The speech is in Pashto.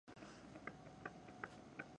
لکه لګيا يمه امبور کښې ترې څرمنه نيسم